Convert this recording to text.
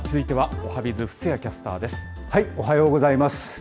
おはようございます。